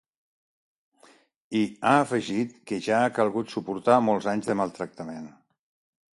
I ha afegit que ja ha calgut suportar molts anys de ‘maltractament’.